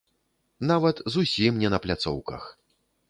Нават зусім не на пляцоўках.